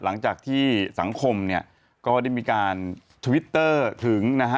หลังจากที่สังคมเนี่ยก็ได้มีการทวิตเตอร์ถึงนะฮะ